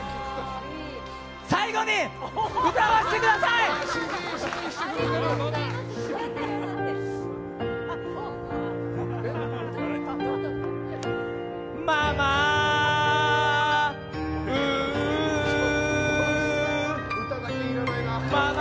最後に歌わせてください！ママ！